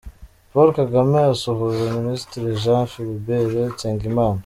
Paul Kagame asuhuza Minisitiri Jean Philbert Nsengimana.